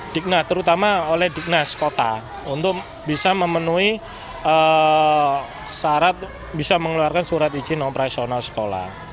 digna terutama oleh dignas kota untuk bisa memenuhi syarat bisa mengeluarkan surat izin operasional sekolah